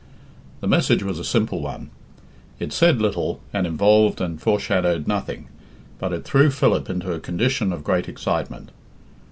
The message was a simple one: it said little, and involved and foreshadowed nothing, but it threw Philip into a condition of great excitement.